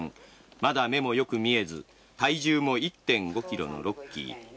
まだ目もよく見えず体重も１．５ｋｇのロッキー。